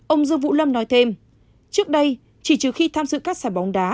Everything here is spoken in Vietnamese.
ông dương vũ lâm nói thêm trước đây chỉ trừ khi tham dự các giải bóng đá